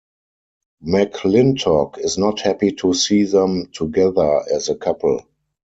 McLyntock is not happy to see them together as a couple.